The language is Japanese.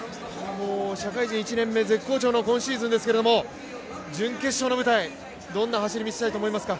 社会人１年目、絶好調のこのシーズンですけれども準決勝の舞台、どんな走りを見せたいと思いますか？